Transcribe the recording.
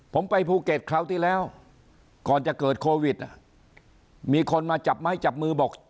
ผมไปภูเก็ตคราวที่แล้วก่อนจะเกิดโควิดมีคนมาจับไม้จับมือบอก